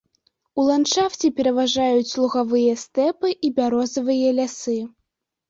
У ландшафце пераважаюць лугавыя стэпы і бярозавыя лясы.